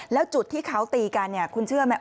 และจุดที่เขาตีกันคุณเชื่อไหม